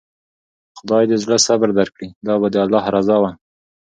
خداى د زړه صبر درکړي، دا به د الله رضا وه.